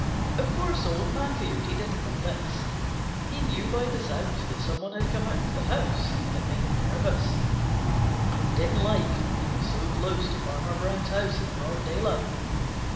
Of course, Old Man Coyote didn't know this. He knew by the sounds that some one had come out of the house, and it made him nervous. He didn't like being so close to Farmer Brown's house in broad daylight.